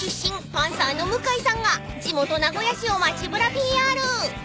パンサーの向井さんが地元名古屋市を街ぶらＰＲ］